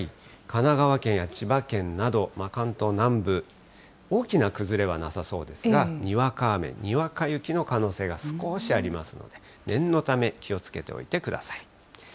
神奈川県や千葉県など、関東南部、大きな崩れはなさそうですが、にわか雨、にわか雪の可能性が少しありますので、念のため、気をつけておいてください。